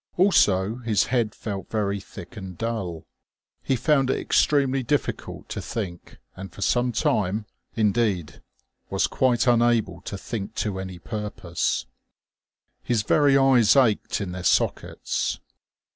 Also his head felt very thick and dull. He found it extremely difficult to think, and for some time, indeed, was quite unable to think to any purpose. His very eyes ached in their sockets.